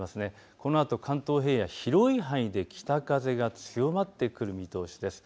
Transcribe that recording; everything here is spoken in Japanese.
このあと関東平野広い範囲で北風が強まってくる見通しです。